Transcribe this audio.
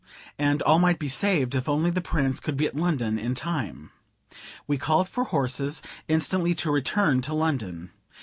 And all might be saved, if only the Prince could be at London in time. We called for horses, instantly to return to London.